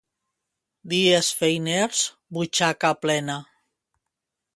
Dies feiners, butxaca plena.